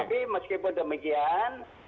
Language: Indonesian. tapi meskipun demikian